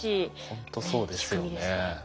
ほんとそうですよね。